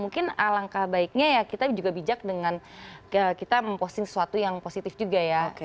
mungkin alangkah baiknya ya kita juga bijak dengan kita memposting sesuatu yang positif juga ya